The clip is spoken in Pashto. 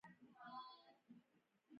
افغانان د تاریخ جوړونکي دي.